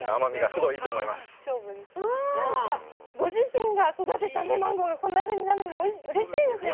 ご自身が育てたマンゴーが、こんなふうになるの、うれしいですよね。